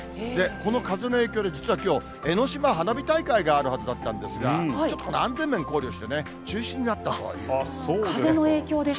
この風の影響で、実はきょう江の島花火大会があるはずだったんですが、ちょっとこの安全面考慮して、風の影響ですか。